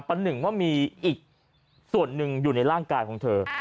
หนึ่งว่ามีอีกส่วนหนึ่งอยู่ในร่างกายของเธอ